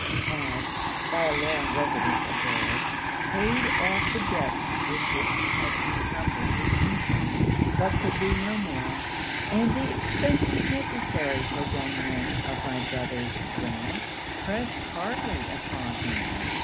He had, by a long residence abroad, paid off the debts with which he had incumbered his income, but could do no more; and the expences necessary for young men of my brothers' rank pressed hardly upon him.